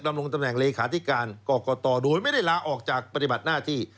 ดำรงตำแหน่งเลขาธิการกรกตโดยไม่ได้ลาออกจากปฏิบัติหน้าที่